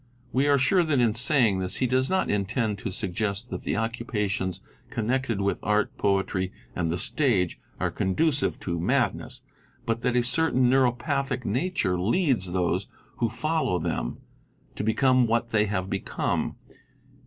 We are sure that in saying this he does not intend to suggest that the occupations connected with art, poetry and the stage are conducive to madness, but that a certain neuropathic nature leads those who follow them to become what _ they have become, 7.¢.